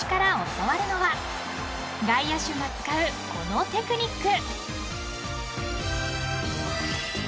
教わるのは外野手が使うこのテクニック］